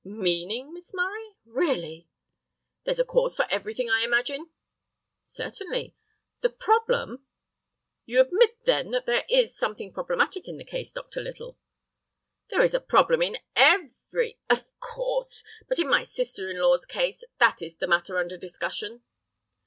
"Meaning, Miss Murray? Really—" "There's a cause for everything, I imagine." "Certainly. The problem—" "You admit then that there is something problematic in the case, Dr. Little." "There is a problem in every—" "Of course. But in my sister in law's case, that is the matter under discussion."